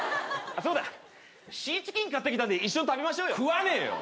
そうだシーチキン買ってきたんで一緒に食べましょうよ食わねえよ